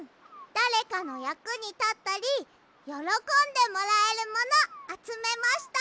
だれかのやくにたったりよろこんでもらえるものあつめました。